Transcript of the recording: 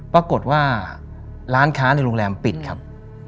ปรากฏว่าร้านค้าในโรงแรมปิดครับ